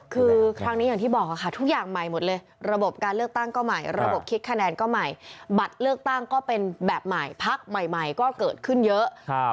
คือครั้งนี้อย่างที่บอกค่ะทุกอย่างใหม่หมดเลยระบบการเลือกตั้งก็ใหม่ระบบคิดคะแนนก็ใหม่บัตรเลือกตั้งก็เป็นแบบใหม่พักใหม่ก็เกิดขึ้นเยอะ